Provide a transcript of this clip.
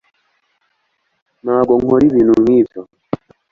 ntabwo nkora ibintu nkibyo